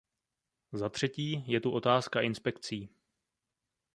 Za třetí, je tu otázka inspekcí.